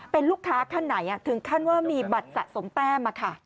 เป็นลูกค้าขั้นไหนถึงขั้นว่ามีบัตรสะสมแต้ม